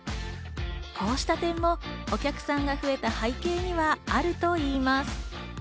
こうした点もお客さんが増えた背景にはあるといいます。